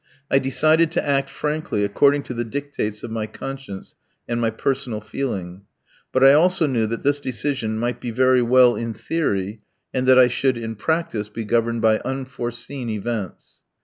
I decided to act frankly, according to the dictates of my conscience and my personal feeling. But I also knew that this decision might be very well in theory, and that I should, in practice, be governed by unforeseen events.